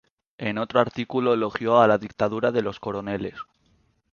En otro artículo, elogió a la Dictadura de los Coroneles.